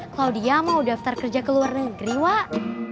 klaudia mau daftar kerja ke luar negeri wak